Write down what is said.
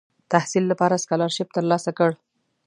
تحصیل لپاره سکالرشیپ تر لاسه کړ.